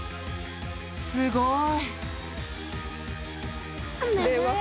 すごーい。